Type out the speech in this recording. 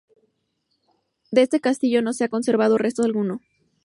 De este castillo no se ha conservado resto alguno.